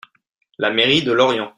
La mairie de Lorient.